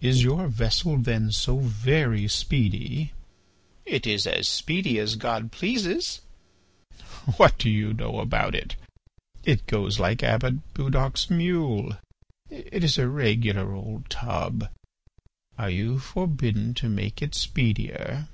"Is your vessel then so very speedy?" "It is as speedy as God pleases." "What do you know about it? It goes like Abbot Budoc's mule. It is a regular old tub. Are you forbidden to make it speedier?"